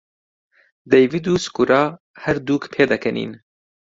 دەیڤد و سکورا هەردووک پێدەکەنین.